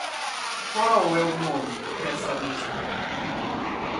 Qual é nome dessa música?